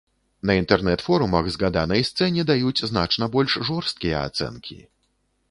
На інтэрнэт-форумах згаданай сцэне даюць значна больш жорсткія ацэнкі.